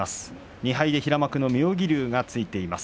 ２敗で平幕の妙義龍がついています。